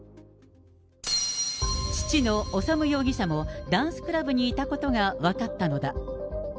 父の修容疑者もダンスクラブにいたことが分かったのだ。